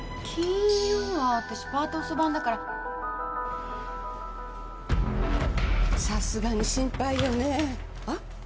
金曜は私パート遅番だからさすがに心配よね。